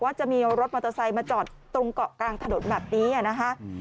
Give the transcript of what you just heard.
จะมีรถมอเตอร์ไซค์มาจอดตรงเกาะกลางถนนแบบนี้นะคะ